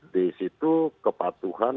di situ kepatuhan